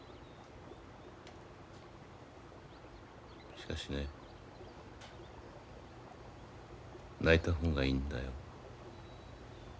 しかしね泣いた方がいいんだよ。